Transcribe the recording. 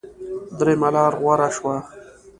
درېمه لاره غوره شوه.